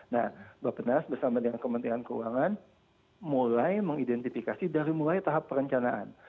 nah bapak penas bersama dengan kementerian keuangan mulai mengidentifikasi dari mulai tahap perencanaan